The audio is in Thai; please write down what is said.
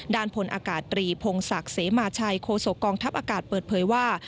ด้านพลอากาศตรีพงศักดิ์เสมาชัยโคศกองทัพอากาศเปิดเผยว่า